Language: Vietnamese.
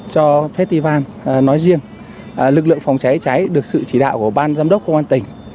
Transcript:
cho festival nói riêng lực lượng phòng cháy cháy được sự chỉ đạo của ban giám đốc công an tỉnh